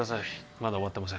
まだ終わってません